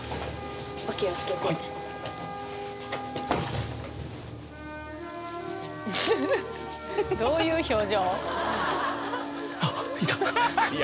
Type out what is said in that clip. お気を付けてはいフフフどういう表情？